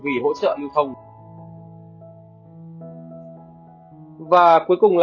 vì hỗ trợ lưu thông